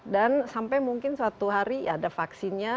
dan sampai mungkin suatu hari ya ada vaksinnya